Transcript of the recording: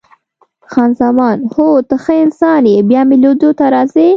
خان زمان: هو، ته ښه انسان یې، بیا مې لیدو ته راځې؟